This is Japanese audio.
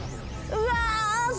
うわ！